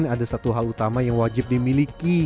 ada satu hal utama yang wajib dimiliki